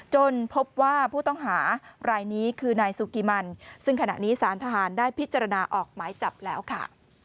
พบว่าผู้ต้องหารายนี้คือนายสุกิมันซึ่งขณะนี้สารทหารได้พิจารณาออกหมายจับแล้วค่ะ